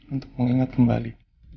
untuk mengingat kembali